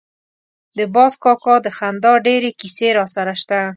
د باز کاکا د خندا ډېرې کیسې راسره شته.